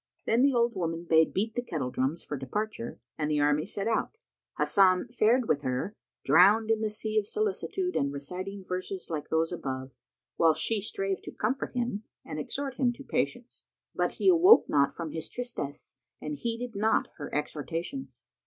Then the old woman bade beat the kettle drums for departure and the army set out. Hasan fared with her, drowned in the sea of solicitude and reciting verses like those above, whilst she strave to comfort him and exhorted him to patience; but he awoke not from his tristesse and heeded not her exhortations.